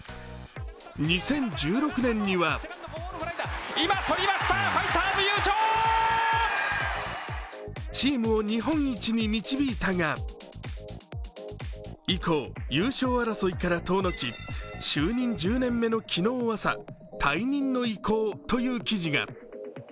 ２０１６年にはチームを日本一に導いたが、以降、優勝争いから遠のき就任１０年目の昨日朝、退任の意向という記事が。